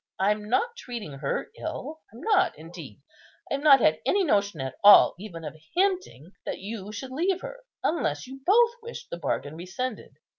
I'm not treating her ill, I'm not indeed. I have not had any notion at all even of hinting that you should leave her, unless you both wished the bargain rescinded.